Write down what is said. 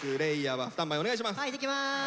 はいいってきます！